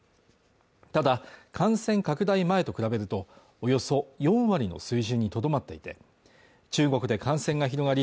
ただ感染拡大前と比べるとおよそ４割の水準にとどまっていて中国で感染が広がり